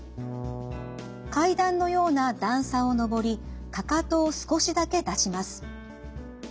階段のような段差を上りかかとを少しだけ出します。